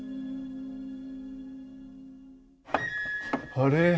あれ？